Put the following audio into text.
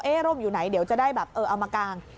เอ๊ะร่มอยู่ไหนเดี๋ยวจะได้แบบเอามากลาง